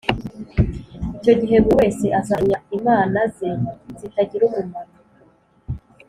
icyo gihe buri wese azajugunya imana ze zitagira umumaro